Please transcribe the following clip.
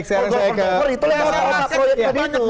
golfer golfer itu yang serahkan proyek tadi itu